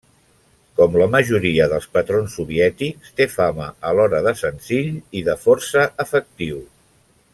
Com la majoria dels patrons soviètics, té fama alhora de senzill i de força efectiu.